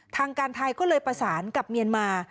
ทางการไทยก็เลยประสานกับเมียนมา